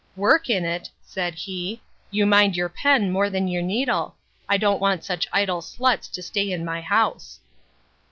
—Work in it! said he; You mind your pen more than your needle; I don't want such idle sluts to stay in my house.